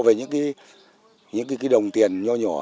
về những cái đồng tiền nhỏ nhỏ